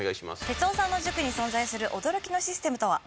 哲夫さんの塾に存在する驚きのシステムとは？